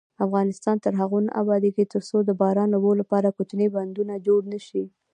افغانستان تر هغو نه ابادیږي، ترڅو د باران اوبو لپاره کوچني بندونه جوړ نشي.